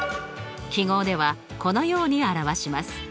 記号ではこのように表します。